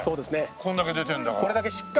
こんだけ出てるんだから。